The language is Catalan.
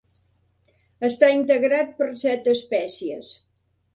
Està integrat per set espècies.